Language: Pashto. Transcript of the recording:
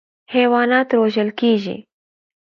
حیوانات روزل کېږي.